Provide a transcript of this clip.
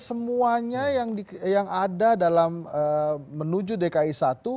semuanya yang ada dalam menuju dki satu